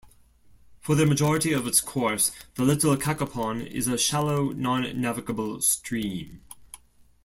For the majority of its course the Little Cacapon is a shallow non-navigable stream.